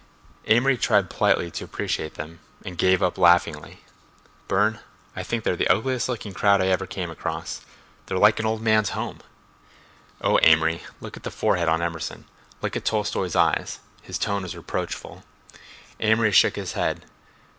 Amory tried politely to appreciate them, and gave up laughingly. "Burne, I think they're the ugliest looking crowd I ever came across. They look like an old man's home." "Oh, Amory, look at that forehead on Emerson; look at Tolstoi's eyes." His tone was reproachful. Amory shook his head.